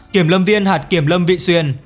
kiểm lâm viên hạt kiểm lâm vị xuyên